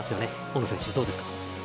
大野選手、どうですか？